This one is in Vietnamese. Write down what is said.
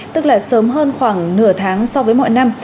tức là sớm hơn khoảng nửa tháng so với mọi năm